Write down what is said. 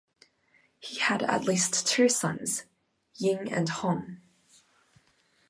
He had at least two sons: Ying and Hong.